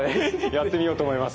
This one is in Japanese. やってみようと思います。